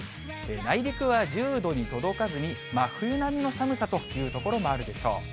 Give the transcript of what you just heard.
内陸は１０度に届かずに、真冬並みの寒さという所もあるでしょう。